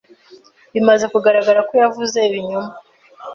Bimaze kugaragara ko yavuze ibinyoma.